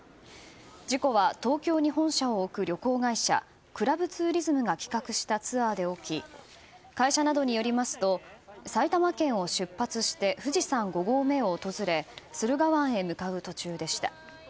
事故は東京に本社を置く旅行会社クラブツーリズムが企画したツアーで起き会社などによりますと埼玉県を出発して富士山５合目を訪れ駿河湾へ向かう途中でした。